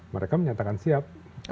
mereka menyatakan siap